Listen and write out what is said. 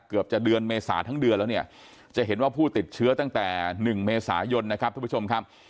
เกือบจะเดือนเมษาทั้งเดือนแล้วเนี่ยจะเห็นว่าผู้ติดเชื้อตั้งแต่๑เมษายนนะครับทุกผู้ชมครับ